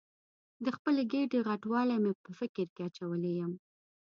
د خپلې ګېډې غټوالی مې په فکر کې اچولې یم.